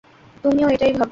তুমিও এটাই ভাবো?